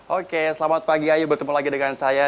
oke selamat pagi ayo bertemu lagi dengan saya